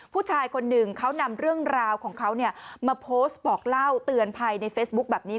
ผู้ชายคนหนึ่งเขานำเรื่องราวของเขามาโพสต์บอกเล่าเตือนภัยในเฟซบุ๊คแบบนี้